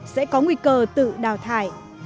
sẽ có nguy cơ tự đào thải